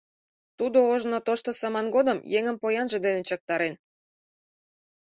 Тудо ожно, тошто саман годым, еҥым поянже дене чактарен.